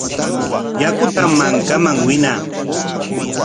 Yakutam mankaman winaa.